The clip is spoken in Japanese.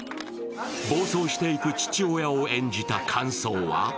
暴走していく父親を演じた感想は。